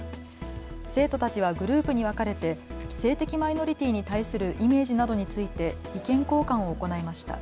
生徒たちはグループに分かれて性的マイノリティーに対するイメージなどについて意見交換を行いました。